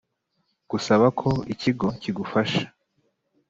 gusaba ko ikigo cyigufasha